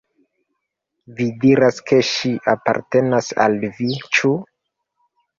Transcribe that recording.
Vi diras, ke ŝi apartenas al vi, ĉu!